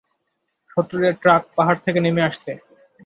শত্রুদের ট্রাক পাহাড় থেকে নেমে আসছে!